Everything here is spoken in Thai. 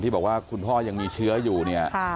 บอกว่าคุณพ่อยังมีเชื้ออยู่เนี่ย